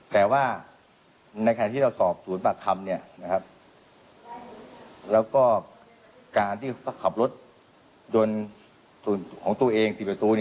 แต่ว่าในการที่เราสอบสวนบากคำแล้วก็การที่เขาขับรถจนของตัวเองสิ่งประตู